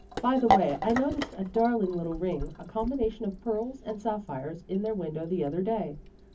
" By the way, I noticed a darling little ring, a combination of pearls and sapphires, in their window the other day.